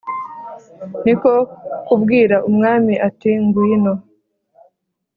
Ni ko kubwira umwami ati ngwino